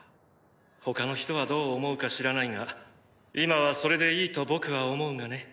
他の人はどう思うか知らないが今はそれでいいと僕は思うがね。